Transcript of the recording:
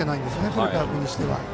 古川君にしては。